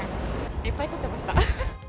いっぱい撮ってました。